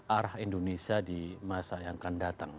arah indonesia di masa yang akan datang